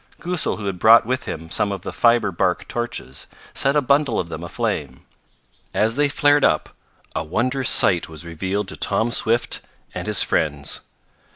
Goosal, who had brought with him some of the fiber bark torches, set a bundle of them aflame. As they flared up, a wondrous sight was revealed to Tom Swift and his friends.